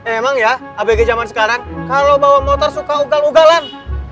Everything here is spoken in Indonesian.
emang ya abg zaman sekarang kalau bawa motor suka ugal ugalan